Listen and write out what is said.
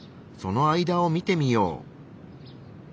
そのあいだを見てみよう。